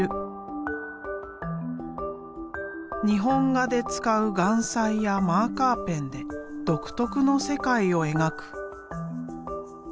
日本画で使う顔彩やマーカーペンで独特の世界を描く。